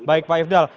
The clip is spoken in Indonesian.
baik pak ifdal